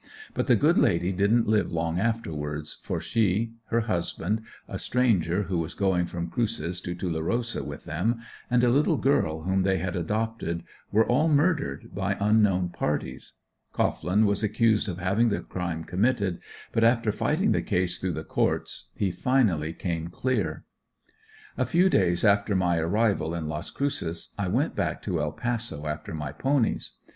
But the good lady didn't live long afterwards, for she, her husband, a stranger, who was going from "Cruces" to Tulerosa with them, and a little girl whom they had adopted were all murdered by unknown parties. Cohglin was accused of having the crime committed, but after fighting the case through the courts, he finally came clear. A few days after my arrival in Las Cruces I went back to El Paso after my ponies.